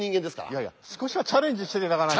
いやいや少しはチャレンジして頂かないと。